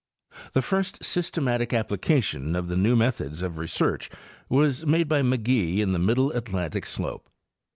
The first systematic application of the new methods of re search was made 'by McGee in the middle Atlantic slope.